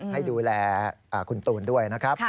ให้ดูแลคุณตูนด้วยนะครับ